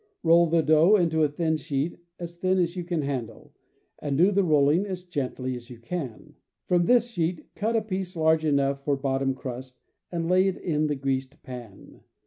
Roll the dough into a thin sheet, as thin as you can handle, and do the rolling as gently as you can. From this sheet cut a piece large enough for bottom crust and lay it in the greased pan.